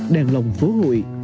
đèn lồng phố hội